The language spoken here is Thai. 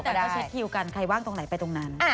ก็ต้องเช็คคิวกันใครว่างตรงไหนไปตรงนั้น